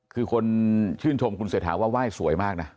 คือคนชื่นชมคุณเศรษฐาว่าไหว้สวยมากนะ